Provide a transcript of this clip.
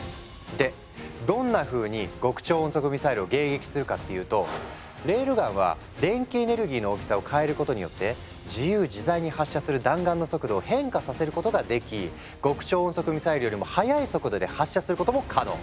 でどんなふうに極超音速ミサイルを迎撃するかっていうとレールガンは電気エネルギーの大きさを変えることによって自由自在に発射する弾丸の速度を変化させることができ極超音速ミサイルよりも速い速度で発射することも可能。